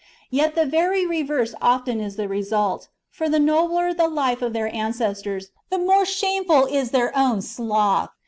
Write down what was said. Yet the very reverse often is the result, for the nobler the life of their ancestors, the more shameful is their own sloth.